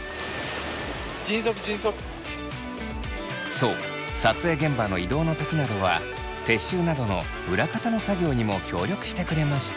そう撮影現場の移動の時などは撤収などの裏方の作業にも協力してくれました。